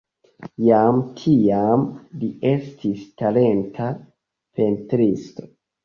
Jam tiam li estis talenta pentristo.